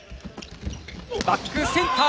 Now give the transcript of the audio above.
バックセンター。